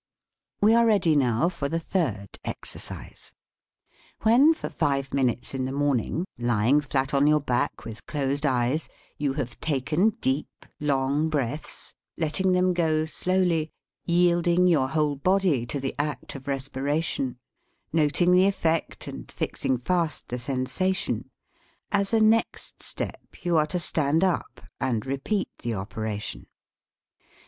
We are ready now for the third exercise. N When, for five minutes in the morning, lying v flat on your back, with closed eyes, you have taken deep, long breaths, letting them go 10 LEARNING TO SUPPORT THE TONE slowly, yielding your whole body to the act of respiration, noting the effect and fixing fast the sensation, as a next step you are to stand up and repeat the operation.